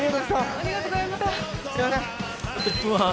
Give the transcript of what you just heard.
ありがとうございます！